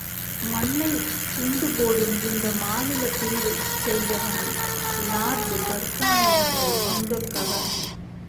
மண்ணைத் துண்டு போடும் இந்த மாநிலப் பிரிவைச் செய்தவன் லார்டு கர்சான் என்ற வங்கக் கவர்னர்.